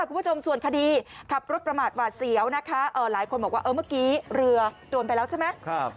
คุณผู้ชมส่วนคดีขับรถประมาทหวาดเสียวนะคะหลายคนบอกว่าเออเมื่อกี้เรือโดนไปแล้วใช่ไหม